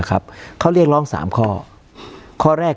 การแสดงความคิดเห็น